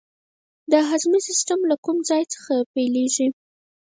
د هاضمې سیستم له کوم ځای څخه پیلیږي